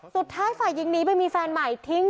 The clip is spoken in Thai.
สุดท้ายฝ่ายหญิงหนีไปมีแฟนใหม่ทิ้ง